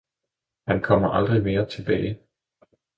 han kommer aldrig mere tilbage.